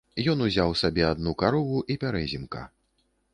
Ён узяў сабе адну карову і пярэзімка.